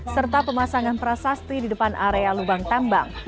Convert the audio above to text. serta pemasangan prasasti di depan area lubang tambang